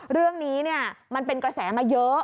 เรื่องนี้มันเป็นกระแสมาเยอะ